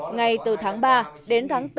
ngay từ tháng ba đến tháng bốn